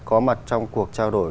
có mặt trong cuộc trao đổi